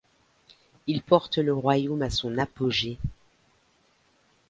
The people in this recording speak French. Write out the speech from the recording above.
Il porte le royaume à son apogée.